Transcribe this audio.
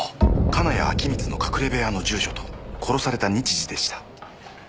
金谷陽充の隠れ部屋の住所と殺された日時でした。